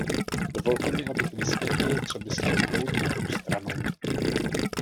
Dovolte mi, abych vysvětlil, co myslím tou druhou stranou.